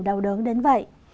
đau đớn đến vậy